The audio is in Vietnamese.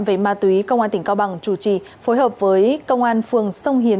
về ma túy công an tỉnh cao bằng chủ trì phối hợp với công an phường sông hiến